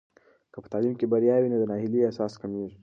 که په تعلیم کې بریا وي، نو د ناهیلۍ احساس کمېږي.